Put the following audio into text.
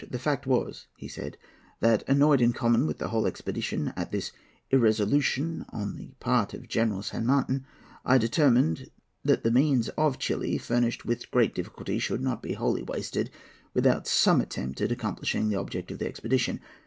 "The fact was," he said, "that, annoyed, in common with the whole expedition, at this irresolution on the part of General San Martin, I determined that the means of Chili, furnished with great difficulty, should not be wholly wasted, without some attempt at accomplishing the object of the expedition.